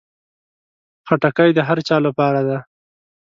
خټکی د هر چا لپاره ده.